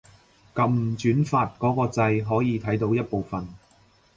撳轉發嗰個掣可以睇到一部分